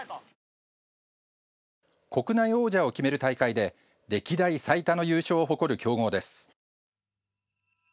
国内王者を決める大会で歴代最多の優勝を誇る強豪です。